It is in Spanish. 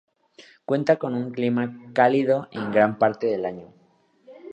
Cuenta con un clima cálido en gran parte del año.